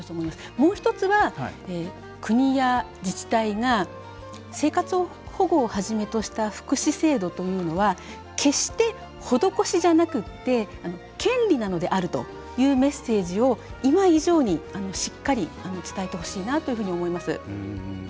もう１つは国や自治体が生活保護をはじめとした福祉制度というのは決して、施しじゃなくて権利なのであるというメッセージを今以上にしっかり伝えてほしいなと思います。